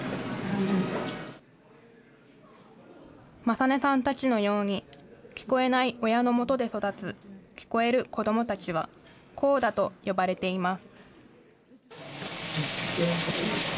理音さんたちのように、聞こえない親のもとで育つ聞こえる子どもたちは、ＣＯＤＡと呼ばれています。